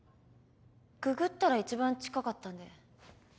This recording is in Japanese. ググったら一番近かったんで。